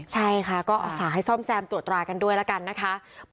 ใช่ค่ะก็อาสาให้ซ่อมแซมตรวจตรากันด้วยแล้วกันนะคะ